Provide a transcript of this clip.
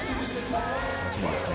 楽しみですね。